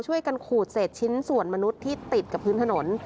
ขูดเศษชิ้นส่วนมนุษย์ที่ติดกับพื้นถนน